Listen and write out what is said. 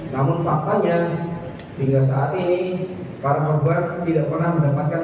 namun faktanya hingga saat ini para korban tidak pernah mendapatkan